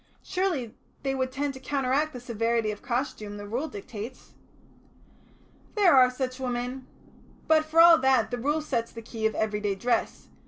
Surely they would tend to counteract the severity of costume the Rule dictates." "There are such women. But for all that the Rule sets the key of everyday dress.